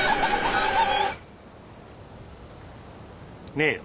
ねえよ。